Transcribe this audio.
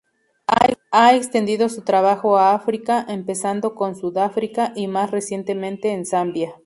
Ha extendido su trabajo a África, empezando con Sudáfrica y más recientemente en Zambia.